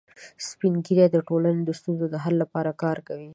سپین ږیری د ټولنې د ستونزو د حل لپاره کار کوي